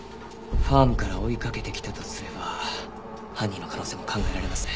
ファームから追いかけてきたとすれば犯人の可能性も考えられますね。